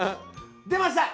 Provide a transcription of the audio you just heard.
出ました！